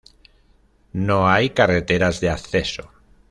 No hay carreteras de acceso.